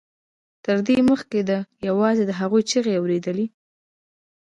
تر دې مخکې ده یوازې د هغوی چیغې اورېدلې